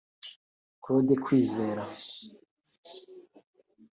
Claude Kwizera